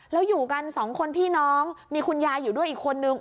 แล้วอยู่กันสองคนพี่น้องมีคุณยายอยู่ด้วยอีกคนนึง